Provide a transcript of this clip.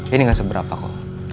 ini gak seberapa kok